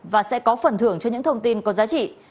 và sẽ có phần thưởng cho những thông tin có giá trị